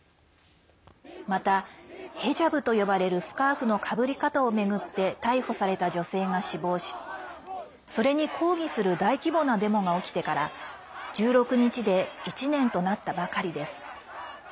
また、ヘジャブと呼ばれるスカーフのかぶり方を巡って逮捕された女性が死亡しそれに抗議する大規模なデモが起きてから１６日で１年となったばかりです。